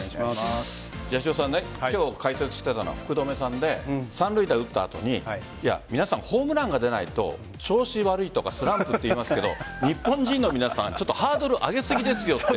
今日、解説した福留さんが三塁打打った後に皆さんホームランが出ないと調子悪いとかスランプと言いますけど日本人の皆さんハードル上げすぎですよって。